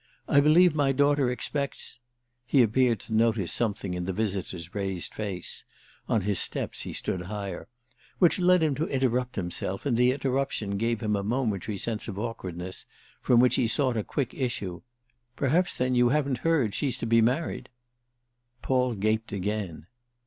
I believe my daughter expects—" He appeared to notice something in the visitor's raised face (on his steps he stood higher) which led him to interrupt himself, and the interruption gave him a momentary sense of awkwardness, from which he sought a quick issue. "Perhaps then you haven't heard she's to be married." Paul gaped again.